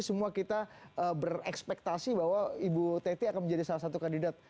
semua kita berekspektasi bahwa ibu teti akan menjadi salah satu kandidat